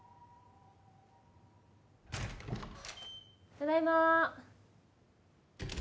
ただいま！